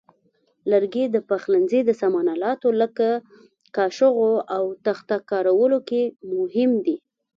لرګي د پخلنځي د سامان آلاتو لکه کاشوغو او تخته کارولو کې مهم دي.